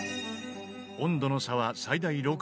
温度の差は最大６℃